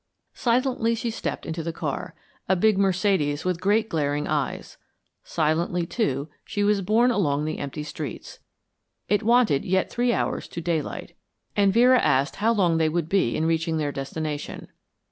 Silently she stepped into the car, a big Mercedes with great glaring eyes; silently, too, she was borne along the empty streets. It wanted yet three hours to daylight, and Vera asked how long they would be in reaching their destination.